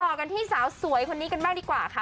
ต่อกันที่สาวสวยคนนี้กันบ้างดีกว่าค่ะ